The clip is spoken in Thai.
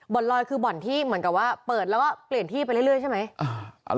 ลอยคือบ่อนที่เหมือนกับว่าเปิดแล้วก็เปลี่ยนที่ไปเรื่อยใช่ไหม